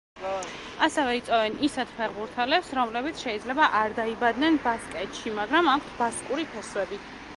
ასევე იწვევენ ისეთ ფეხბურთელებს, რომლებიც შეიძლება არ დაიბადნენ ბასკეთში, მაგრამ აქვთ ბასკური ფესვები.